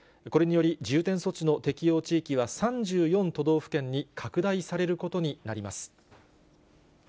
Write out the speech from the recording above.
これにより、重点措置の適用地域は３４都道府県に拡大されることになります。